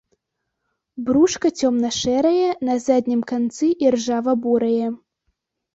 Брушка цёмна-шэрае, на заднім канцы іржава-бурае.